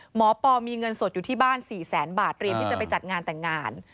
ปอมีเงินสดอยู่ที่บ้าน๔แสนบาทเตรียมที่จะไปจัดงานแต่งงาน